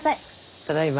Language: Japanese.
ただいま。